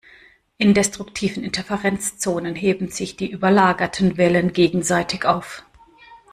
In destruktiven Interferenzzonen heben sich die überlagerten Wellen gegenseitig auf.